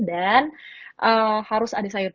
dan harus ada sayur buah